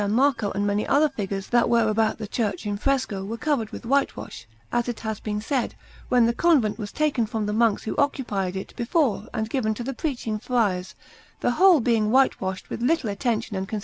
Marco and many other figures that were about the church in fresco were covered with whitewash, as it has been said, when that convent was taken from the monks who occupied it before and given to the Preaching Friars, the whole being whitewashed with little attention and consideration.